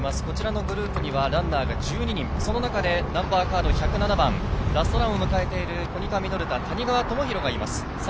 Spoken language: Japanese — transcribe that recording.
こちらのグループにはランナーが１２人その中、ナンバー１０７番ラストランを迎えている谷川智浩がいます。